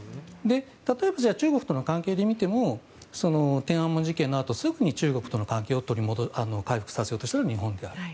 例えば中国と関係で見ると天安門事件のあと中国との関係を取り戻そうとしたのは日本である。